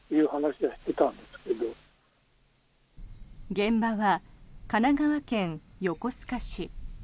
現場は神奈川県横須賀市。